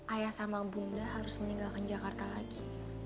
ayah sama bunda harus meninggalkan jakarta lagi